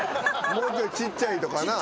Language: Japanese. もうちょいちっちゃいとかな。